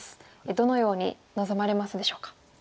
どのように臨まれますでしょうか。